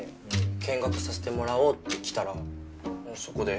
見学させてもらおうって来たらそこで喧嘩してたんす。